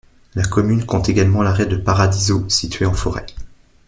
La commune compte également l'arrêt de Paradiso situé en forêt.